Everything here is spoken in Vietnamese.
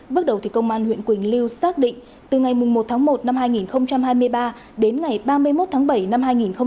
bước đầu công an huyện quỳnh lưu xác định từ ngày một tháng một năm hai nghìn hai mươi ba đến ngày ba mươi một tháng bảy năm hai nghìn hai mươi ba